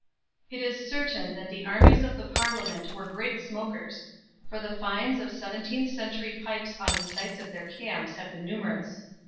It is certain that the armies of the Parliament were great smokers, for the finds of seventeenth century pipes on the sites of their camps have been numerous.